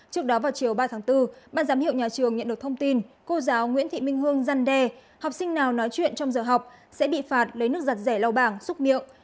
trước đó vào chiều ba tháng bốn ban giám hiệu nhà trường nhận được thông tin cô giáo nguyễn thị minh hương răn đe học sinh nào nói chuyện trong giờ học sẽ bị phạt lấy nước giặt rẻ lau bảng xúc miệng